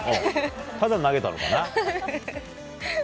ただ投げたのかな？